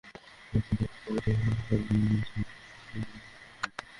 কারণ, প্রতিবার প্রিন্সিপাল সুবিধামতো সিট প্ল্যান করেিছলেন, কিন্তু এবার সেটা সম্ভব হয়নি।